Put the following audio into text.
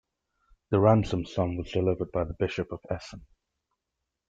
The ransom sum was delivered by the Bishop of Essen.